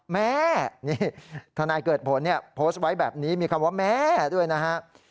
แม่นี่ทนายเกิดผลโพสต์ไว้แบบนี้มีคำว่าแม่ด้วยนะฮะ